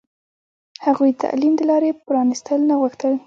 هغوی د تعلیم د لارې پرانستل نه غوښتل.